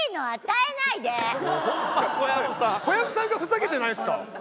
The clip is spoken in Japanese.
小籔さんがふざけてないですか？